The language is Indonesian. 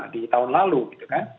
di tahun lalu gitu kan